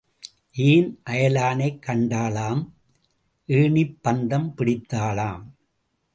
ஏன் அயலானைக் கண்டாளாம் ஏணிப் பந்தம் பிடித்தாளாம்.